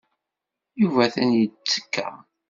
Yuba atan yettekka.